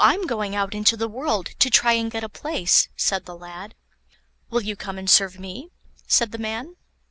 ] "Oh, I'm going out into the world to try and get a place," said the lad. "Will you come and serve me?" said the man.